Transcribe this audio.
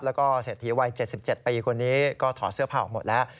แล้วก็เศรษฐีวัย๗๗ปีคนนี้ก็ถอดเสื้อผ้าออกหมดแล้ว